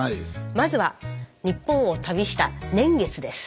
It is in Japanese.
まずは日本を旅した年月です。